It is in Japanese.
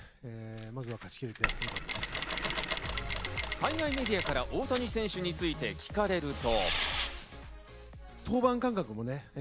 海外メディアから大谷選手について聞かれると。